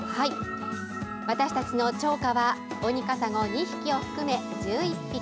私たちの釣果はオニカサゴ２匹を含め１１匹。